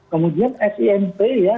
kemudian semp ya